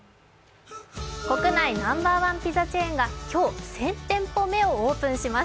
国内ナンバーワンピザチェーンが今日、１０００店舗目をオープンします。